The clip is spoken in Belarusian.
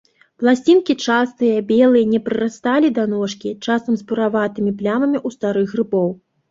Пласцінкі частыя, белыя, не прырасталі да ножкі, часам з бураватымі плямамі ў старых грыбоў.